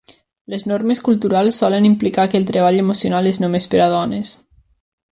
Les normes culturals solen implicar que el treball emocional és només per a dones.